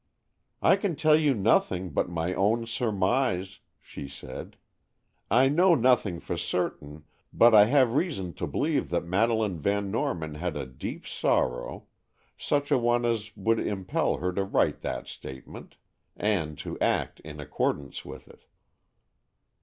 "I can tell you nothing but my own surmise," she said; "I know nothing for certain, but I have reason to believe that Madeleine Van Norman had a deep sorrow,—such a one as would impel her to write that statement, and to act in accordance with it."